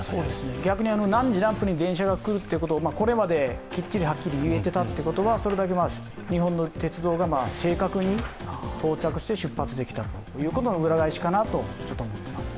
逆に何時何分に電車が来るということをこれまできっちりはっきり言えてたということはそれだけ日本の鉄道が正確に到着して出発できたということの裏返しかなと思ってます。